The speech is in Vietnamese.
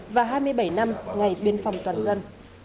và hai mươi bảy năm ngày biên phòng toàn dân